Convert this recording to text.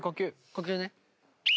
呼吸ね。